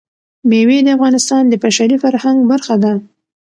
مېوې د افغانستان د بشري فرهنګ برخه ده.